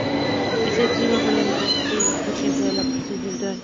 Es el clima predominante; se identifica en toda la porción central.